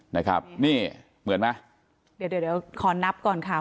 นะครับนี่เหมือนไหมเดี๋ยวเดี๋ยวขอนับก่อนค่ะ